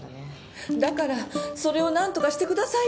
だからそれを何とかしてくださいって。